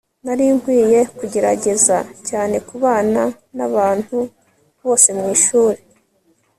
nari nkwiye kugerageza cyane kubana nabantu bose mwishuri